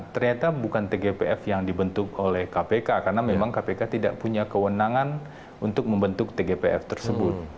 ternyata bukan tgpf yang dibentuk oleh kpk karena memang kpk tidak punya kewenangan untuk membentuk tgpf tersebut